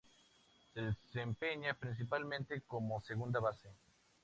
Se desempeña principalmente como segunda base.